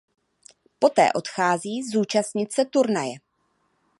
Poté odchází zúčastnit se turnaje.